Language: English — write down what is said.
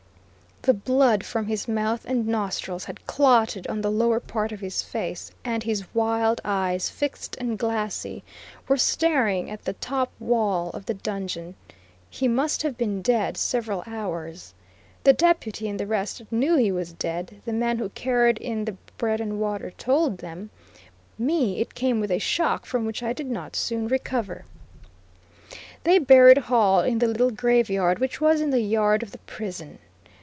The blood from his mouth and nostrils had clotted on the lower part of his face, and his wild eyes, fixed and glassy, were staring at the top wall of the dungeon. He must have been dead several hours. The Deputy and the rest knew he was dead the man who carried in the bread and water told them me it came with a shock from which I did not soon recover. They buried Hall in the little graveyard which was in the yard of the prison.